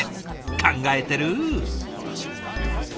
考えてる！